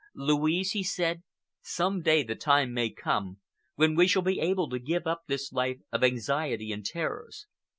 "Louise," he said, "some day the time may come when we shall be able to give up this life of anxiety and terrors.